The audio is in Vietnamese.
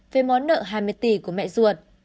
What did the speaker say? về món nợ hai mươi tỷ của mẹ ruột